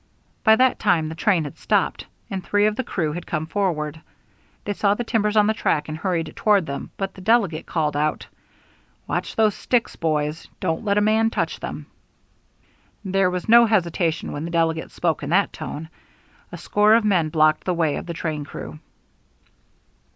By that time the train had stopped, and three of the crew had come forward. They saw the timbers on the track and hurried toward them, but the delegate called out: "Watch those sticks, boys! Don't let a man touch them!" There was no hesitation when the delegate spoke in that tone. A score of men blocked the way of the train crew.